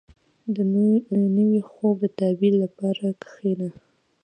• د نوي خوب د تعبیر لپاره کښېنه.